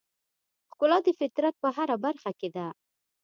ښکلا د فطرت په هره برخه کې ده.